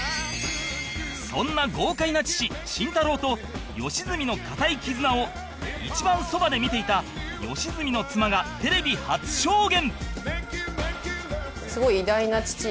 そんな豪快な父慎太郎と良純の固い絆を一番そばで見ていた良純の妻がテレビ初証言！